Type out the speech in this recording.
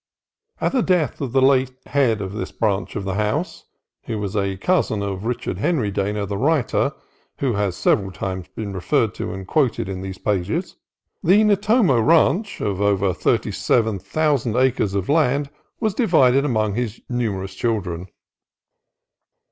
At the death of the late head of this branch of the house (who was a cousin of Richard Henry Dana, the writer, who has been several times referred to and quoted in these pages), the Nipomo Ranch, of over thirty seven thousand acres of land, was divided among his numerous children.